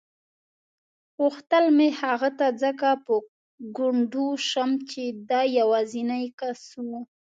غوښتل مې هغه ته ځکه په ګونډو شم چې دی یوازینی کس و.